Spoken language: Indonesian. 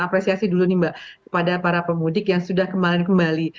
apresiasi dulu nih mbak kepada para pemudik yang sudah kembali